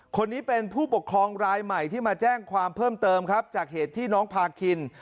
คนนี้เป็นผู้ปกครองรายใหม่ที่มาแจ้งความเพิ่มเติมครับจากเหตุที่น้องพาคิน